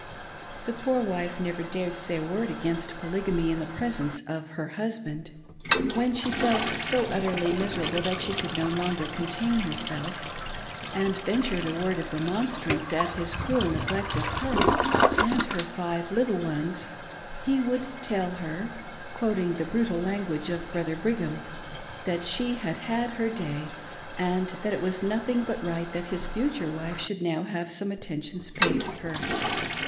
The poor wife never dared to say a word against Polygamy in the presence of her husband. When she felt so utterly miserable that she could no longer contain herself, and ventured a word of remonstrance at his cruel neglect of her and her five little ones, he would tell her — quoting the brutal language of Brother Brigham — that " she had had her day, and that it was nothing but right that his future wife should now have some attentions paid her.